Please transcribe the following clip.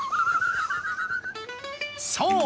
そう！